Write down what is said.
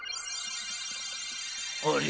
あれ？